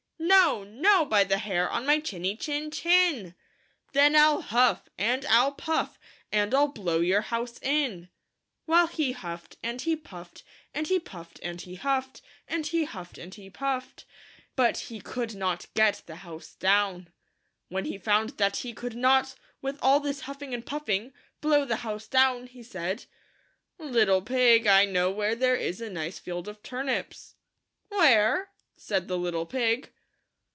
"No, No, by the Hair on my Chinny Chin Chin !"" Then I'll huff, and I'll puff, and I'll blow your house in." Well, he huffed and he puffed, and he puffed and he • 72 % A. THE THREE LITTLE PIGS. huffed, and he huffed and he puffed ; but he could not get the house down. When he found that he could not, with all his huffing and puffing, blow the house down, he said, " Little pig, I know where there is a nice field of turnips." "Where?" said the little pig.